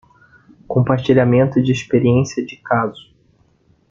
Compartilhamento de experiência de caso